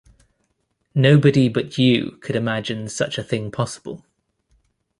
Nobody but you could imagine such a thing possible.